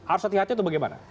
arus hati hatinya itu bagaimana